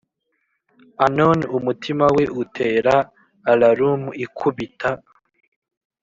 anon umutima we utera, alarum ikubita,